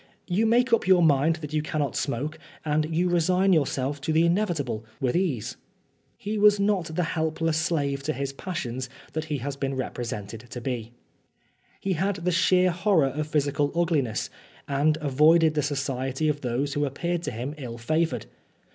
You make up your mind that you cannot smoke, and you resign yourself to the inevitable with ease." He was not the helpless slave to his passions that he has been represented to be. He had the sheer horror of physical ugliness, and avoided the society of those who appeared to him ill favoured.